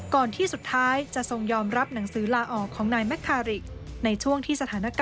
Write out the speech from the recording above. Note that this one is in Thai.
ก่อนที่สุดท้ายจะทรงยอมรับหนังสือลาออกของนายแมคคาริกในช่วงที่สถานการณ์